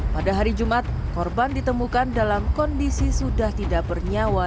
pada hari jumat korban ditemukan dalam kondisi sudah tidak bernyawa